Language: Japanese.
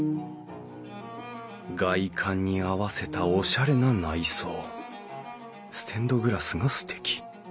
外観に合わせたオシャレな内装ステンドグラスがすてき。